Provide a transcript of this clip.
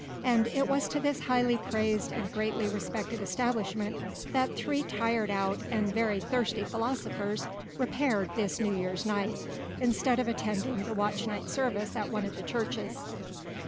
And it was to this highly praised and greatly respected establishment that three tired out and very thirsty philosophers repaired this New Year's night, instead of attending the watch night service at one of the churches.